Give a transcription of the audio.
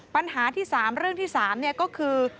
ปัญหาที่สามเรื่องที่สามก็คือ